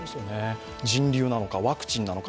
人流なのかワクチンなのか。